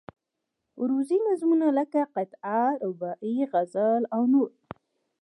عروضي نظمونه لکه قطعه، رباعي، غزل او نور.